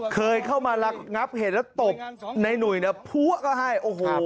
เคยเข้ามาระงับเหตุแล้วตบในหนุ่ยเนี่ยพัวก็ให้โอ้โห